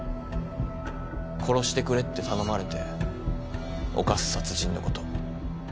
殺してくれって頼まれて犯す殺人のこと。